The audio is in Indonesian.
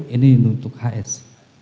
ini untuk hs